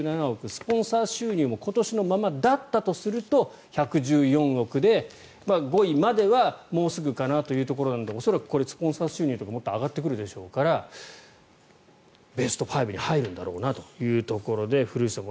スポンサー収入も今年のままだったとすると１１４億で５位まではもうすぐかなというところなので恐らくこれスポンサー収入がもっと上がってくるでしょうからベスト５に入るんだろうなというところで古内さん